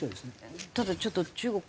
ただちょっと中国